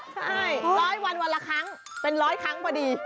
ใช่ร้อยวันวันละครั้งเป็นร้อยครั้งพอดี